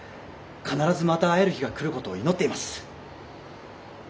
必ずまた会える日が来ることを祈っています。